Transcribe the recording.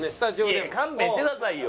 いや勘弁してくださいよ。